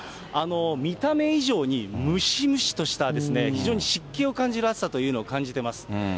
見た目以上にムシムシとした、非常に湿気を感じる暑さというのを感じてます。